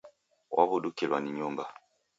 Waw'udukilwa ni nyumba.